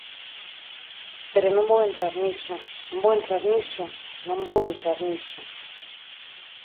Pero non vou entrar niso, non vou entrar niso, non vou entrar niso.